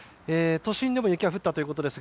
都心でも雪は降ったということですが